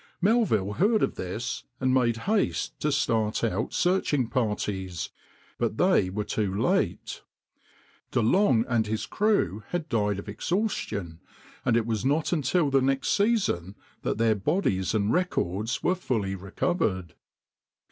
Melville heard of this, and made haste to start out searching parties, but they were too late. De Long and his crew had died of exhaustion, and it was not until the next season that their bodies and records were fully recovered.